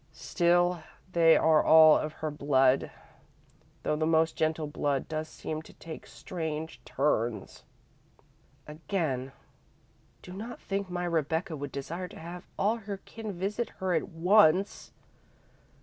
Still they are all of her blood, though the most gentle blood does seem to take strange turns." Again: "Do not think my Rebecca would desire to have all her kin visit her at once.